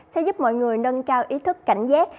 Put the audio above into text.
sẽ giúp mọi người nâng cao ý thức cảnh giác